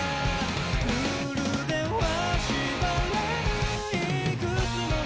「ルールでは縛れぬいくつもの」